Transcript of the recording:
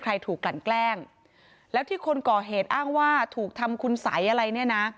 ใครถูกกลั่นแกล้งแล้วที่คนก่อเหตุอ้างว่าถูกทำคุณสัยอะไรเนี่ยนะ